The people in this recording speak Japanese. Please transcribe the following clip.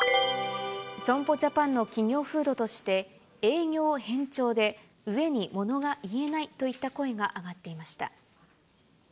損保ジャパンの企業風土として、営業偏重で上にものが言えないといった声が上がっていました。